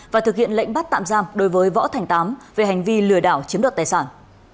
và thực hiện lệnh bắt tạm giam đối với võ thành tám về hành vi lừa đảo chiếm đoạt tài sản